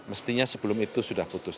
mestinya sebelum itu sudah putus